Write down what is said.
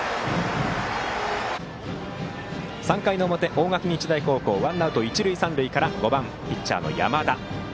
３回の表、大垣日大高校ワンアウト、一塁三塁から５番、ピッチャーの山田。